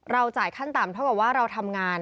จ่ายขั้นต่ำเท่ากับว่าเราทำงาน